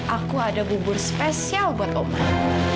aku ada bubur spesial buat oman